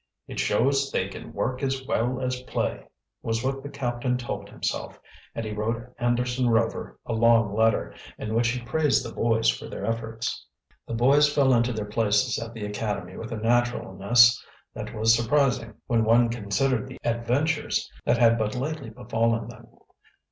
"It shows they can work as well as play," was what the captain told himself, and he wrote Anderson Rover a long letter, in which he praised the boys for their efforts. The boys fell into their places at the academy with a naturalness that was surprising when one considered the adventures that had but lately befallen them.